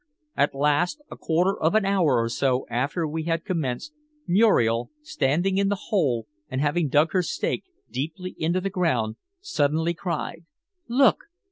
At last, a quarter of an hour or so after we had commenced, Muriel, standing in the hole and having dug her stake deeply into the ground, suddenly cried: "Look!